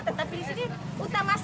tetapi di sini utamanya